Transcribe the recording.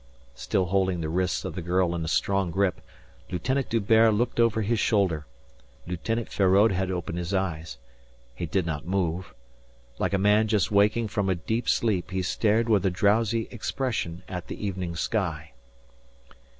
Still holding the wrists of the girl in a strong grip, Lieutenant D'Hubert looked over his shoulder. Lieutenant Feraud had opened his eyes. He did not move. Like a man just waking from a deep sleep he stared with a drowsy expression at the evening sky.